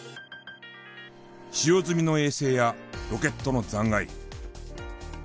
使用済みの衛星やロケットの残骸。